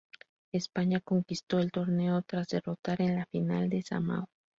España conquistó el torneo tras derrotar en la final a Samoa.